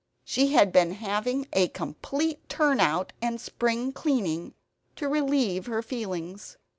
She had been having a complete turn out and spring cleaning, to relieve her feelings.